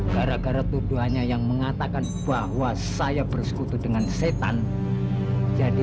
gara gara tuduhannya yang mengatakan bahwa saya bersekutu dengan setan jadi